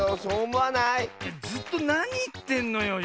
ずっとなにいってんのよ。